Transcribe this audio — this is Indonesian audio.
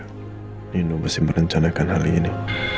tidak nino masih merencanakan hal ini